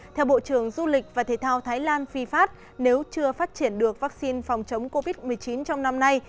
theo bộ trưởng du lịch và thể thao thái lan phi pháp nếu chưa phát triển được vaccine phòng chống covid một mươi chín trong năm nay